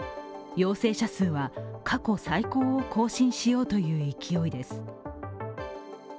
陽性者数は過去最高を更新しようという勢いです。